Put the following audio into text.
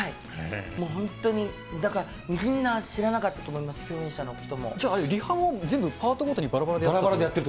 もう本当に、だから、みんな知らなかったと思います、共演者の人じゃあああいうリハは、パートごとにばらばらでやったんですか。